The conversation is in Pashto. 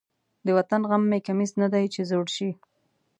د وطن غم مې کمیس نه دی چې زوړ شي.